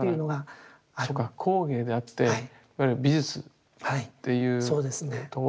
ああだからそうか工芸であっていわゆる美術っていうところではないと。